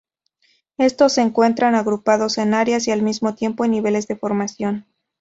Estos se encuentran agrupados en áreas y al mismo tiempo en niveles de formación.